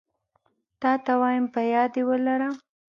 تاته وايم په ياد يي ولره